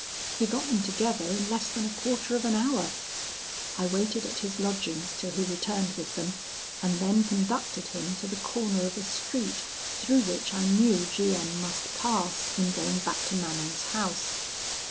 He got them together in less than a quarter of an hour. I waited at his lodgings till he returned with them, and then conducted him to the corner of a street through which I knew G M must pass in going back to Manon's house.